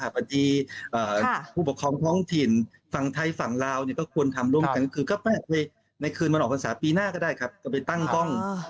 ปฏิผู้ประคองท่องถิ่นฝั่งไทยฝั่งลาวเนี่ยก็ควรทำร่วมกันก็คือก็ไม่อาจไปในคืนมันออกภาษาปีหน้าก็ได้ครับก็ไปตั้งกล้อง